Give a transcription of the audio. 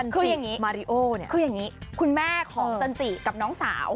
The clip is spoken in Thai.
คืออย่างงี้คุณแม่ของจันจิกับน้องสาว